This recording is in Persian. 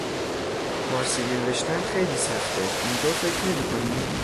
فارسی نوشتن خیلی سخته! اینطور فکر نمیکنی؟